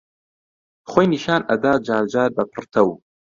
خۆی نیشان ئەدا جارجار بە پڕتەو